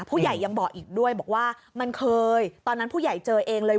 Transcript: ผู้ใหญ่ยังบอกอีกด้วยบอกว่ามันเคยตอนนั้นผู้ใหญ่เจอเองเลย